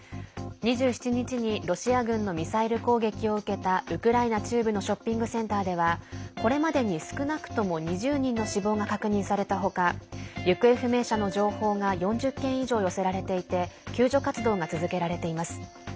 ２７日にロシア軍のミサイル攻撃を受けたウクライナ中部のショッピングセンターではこれまでに、少なくとも２０人の死亡が確認されたほか行方不明者の情報が４０件以上、寄せられていて救助活動が続けられています。